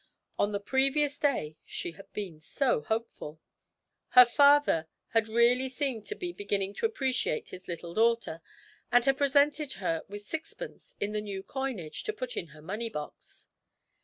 Only the previous day she had been so hopeful! her father had really seemed to be beginning to appreciate his little daughter, and had presented her with sixpence in the new coinage to put in her money box.